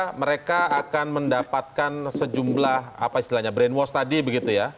karena mereka akan mendapatkan sejumlah apa istilahnya brainwash tadi begitu ya